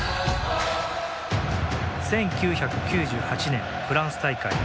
１９９８年フランス大会。